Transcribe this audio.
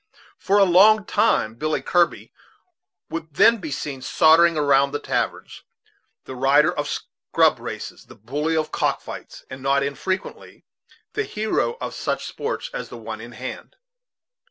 For a long time Billy Kirby would then be seen sauntering around the taverns, the rider of scrub races, the bully of cock fights, and not infrequently the hero of such sports as the one in hand.